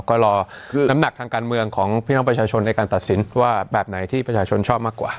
ก็รอน้ำหนักทางการเมืองของพี่น้องประชาชนในการตัดสินว่าแบบไหนที่ประชาชนชอบมากกว่า